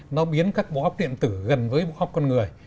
nó biến các bộ óc điện tử gần với bộ óc con người